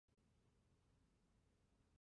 此病传染性并不高。